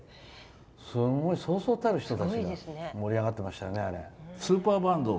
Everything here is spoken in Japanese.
すごい、そうそうたる人たちで盛り上がってましたよね、あれ。